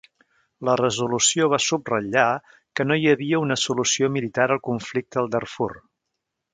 La resolució va subratllar que no hi havia una solució militar al conflicte al Darfur.